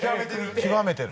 極めてる。